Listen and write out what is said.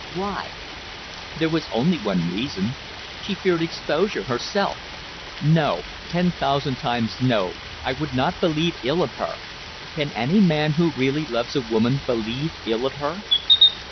Why? There was only one reason. She feared exposure herself. No. Ten thousand times no. I would not believe ill of her. Can any man who really loves a woman believe ill of her?